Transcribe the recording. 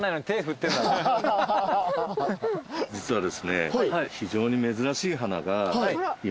実はですね。